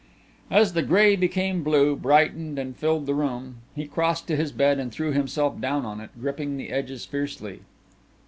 As the gray became blue, brightened and filled the room, he crossed to his bed and threw himself down on it, gripping the edges fiercely.